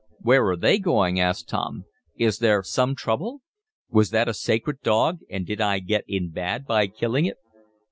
"Where are they going?" asked Tom. "Is there some trouble? Was that a sacred dog, and did I get in bad by killing it?"